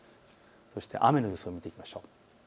そして雨の予想を見ていきましょう。